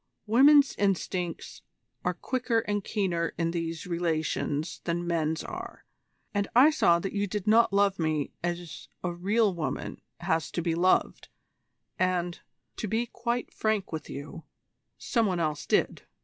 Women's instincts are quicker and keener in these relations than men's are, and I saw that you did not love me as a real woman has to be loved, and, to be quite frank with you, some one else did.